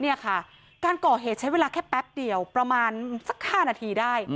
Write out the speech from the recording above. เนี่ยค่ะการก่อเหตุใช้เวลาแค่แป๊บเดียวประมาณสัก๕นาทีได้